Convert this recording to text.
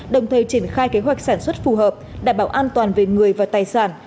đồng thời triển khai kế hoạch sản xuất phù hợp đảm bảo an toàn về người và tài sản